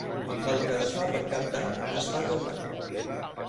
El que es fa per Cap d'Any, es fa tot l'any.